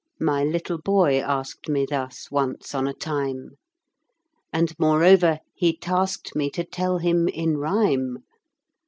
My little boy asked me Thus, once on a time; And moreover he tasked me To tell him in rhyme.